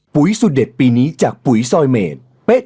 ปุ๋ยสุดเด็ดปีนี้จากปุ๋ยซอยเมด